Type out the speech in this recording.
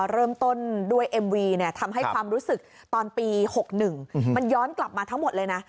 รู้สึกตอนปี๖๑มันย้อนกลับมาทั้งหมดเลยนะ